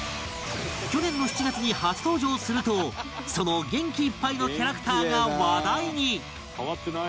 去年の７月に初登場するとその元気いっぱいのキャラクターが話題に